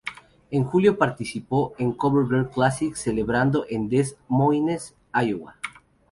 En julio participó en el "CoverGirl Classic" celebrado en Des Moines, Iowa.